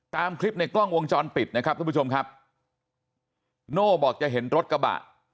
ตามคลิปในกล้องวงจรปิดนะครับทุกผู้ชมครับโน่บอกจะเห็นรถกระบะ